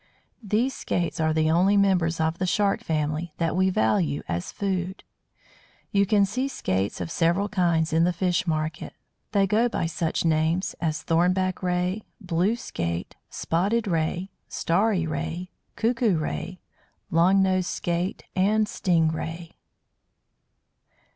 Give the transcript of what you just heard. These Skates are the only members of the Shark family that we value as food. You can see Skates of several kinds in the fish market. They go by such names as Thorn back Ray, Blue Skate, Spotted Ray, Starry Ray, Cuckoo Ray, Long nosed Skate and Sting Ray.